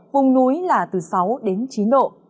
vùng núi là từ sáu chín độ